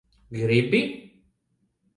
Gribi?